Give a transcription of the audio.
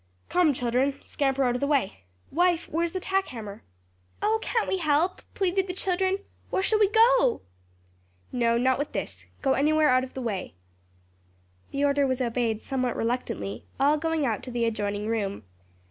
Come, children, scamper out of the way! Wife; where's the tack hammer?" "Oh, can't we help?" pleaded the children, "Where shall we go?" "No, not with this. Go anywhere out of the way." The order was obeyed somewhat reluctantly, all going out to the adjoining room.